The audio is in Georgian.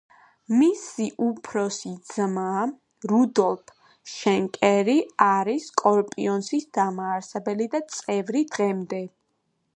მისი უფროსი ძმა, რუდოლფ შენკერი არის სკორპიონსის დამაარსებელი და წევრი დღემდე.